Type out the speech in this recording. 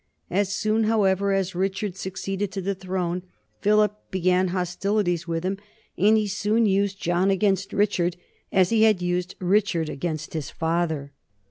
As soon, however, as Richard succeeded to the throne, Philip began hostilities with him, and he soon used John against' Richard as he had used Rich ard against his father.